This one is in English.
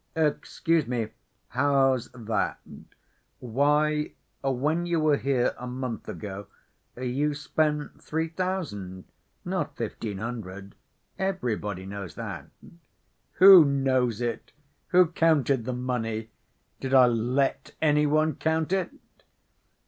"Excuse me. How's that? Why, when you were here a month ago you spent three thousand, not fifteen hundred, everybody knows that." "Who knows it? Who counted the money? Did I let any one count it?"